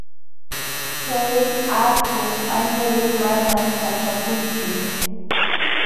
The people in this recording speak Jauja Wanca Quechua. Hay hatun añaru manam kaćhukunchu.